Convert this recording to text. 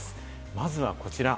まずはこちら。